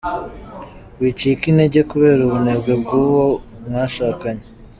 Wicika intege kubera ubunebwe bw’uwo mwashakanye.